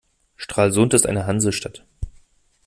Stralsund ist eine Hansestadt.